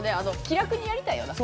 気楽にやりたいよな。